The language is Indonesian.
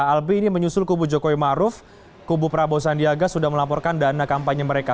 albi ini menyusul kubu jokowi maruf kubu prabowo sandiaga sudah melaporkan dana kampanye mereka